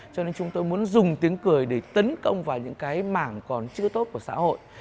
cho nên chúng tôi muốn dùng tiếng cười để tấn công vào những cái mảng còn chưa tốt của xã hội